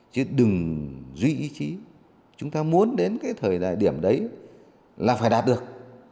chứ đừng duy ý chí chúng ta muốn đến cái thời đại điểm đấy là phải đạt được